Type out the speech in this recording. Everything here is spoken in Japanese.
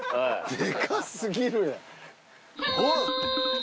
でか過ぎる。